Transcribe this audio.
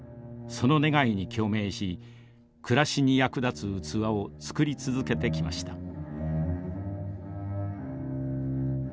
その願いに共鳴し暮らしに役立つ器を作り続けてきました。